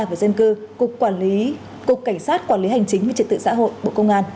về dân cư cục cảnh sát quản lý hành chính và trật tự xã hội bộ công an